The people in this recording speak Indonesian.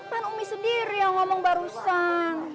kan umi sendiri yang ngomong barusan